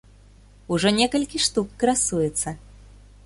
Ужо некалькі штук красуецца.